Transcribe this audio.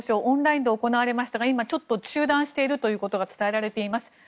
オンラインで行われましたが今、ちょっと中断しているということが伝えられています。